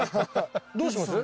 どうします？